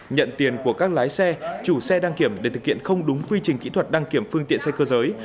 nhận tiền của các lái xe chủ xe đăng kiểm để thực hiện không đúng quy trình kỹ thuật đăng kiểm phương tiện xe cơ giới